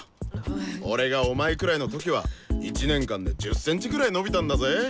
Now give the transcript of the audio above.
俺がお前くらいの時は１年間で１０センチくらい伸びたんだぜ。